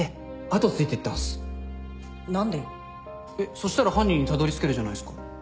そしたら犯人にたどり着けるじゃないっすか。